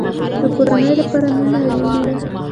د کورنۍ لپاره مینه اړین ده